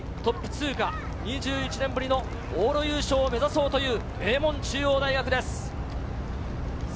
２１年ぶりトップ通過、２１年ぶりの往路優勝を目指そうという名門・中央大学です。